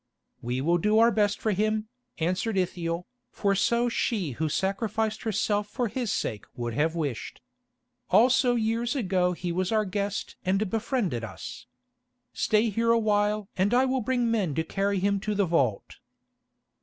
"We will do our best for him," answered Ithiel, "for so she who sacrificed herself for his sake would have wished. Also years ago he was our guest and befriended us. Stay here a while and I will bring men to carry him to the vault."